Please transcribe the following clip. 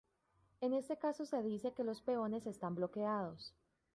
En este caso se dice que los peones están bloqueados.